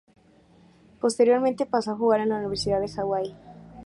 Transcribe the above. Posteriormente pasó a jugar en la Universidad de Hawái.